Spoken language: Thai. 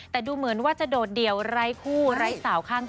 แต่ดูเหมือนว่าจะโดดเดี่ยวไร้คู่ไร้สาวข้างคอ